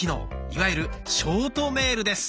いわゆるショートメールです。